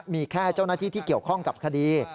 มีแค่เจ้าหน้าที่ที่เกี่ยวข้องกับคดี